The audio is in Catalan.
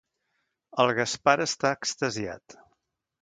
El Gaspar està extasiat.